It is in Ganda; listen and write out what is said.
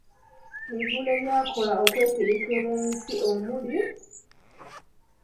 Mivule by’akola okwetegekera ensi; omuli: